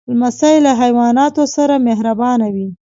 لمسی له حیواناتو سره مهربانه وي.